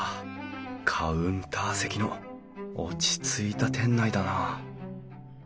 カウンター席の落ち着いた店内だな。